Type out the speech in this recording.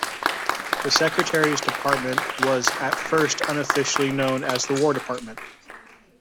The Secretary's department was at first unofficially known as the War Department.